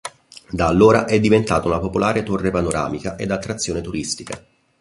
Da allora è diventata una popolare torre panoramica ed attrazione turistica.